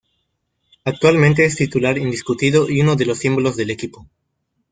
Actualmente es titular indiscutido y uno de los símbolos del equipo.